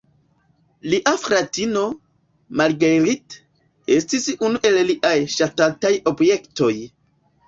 Lia fratino, Marguerite, estis unu el liaj ŝatataj objektoj.